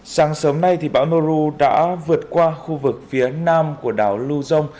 sáng sớm nay bão noru đã vượt qua khu vực phía nam của đảo lưu dông